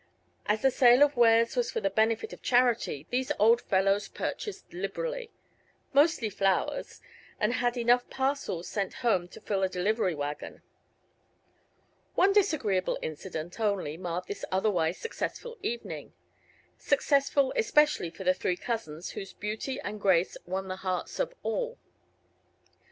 As the sale of wares was for the benefit of charity these old fellows purchased liberally mostly flowers and had enough parcels sent home to fill a delivery wagon. One disagreeable incident, only, marred this otherwise successful evening successful especially for the three cousins, whose beauty and grace won the hearts of all.